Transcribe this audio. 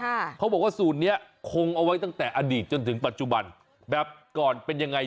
เขาบอกว่าสูตรเนี้ยคงเอาไว้ตั้งแต่อดีตจนถึงปัจจุบันแบบก่อนเป็นยังไง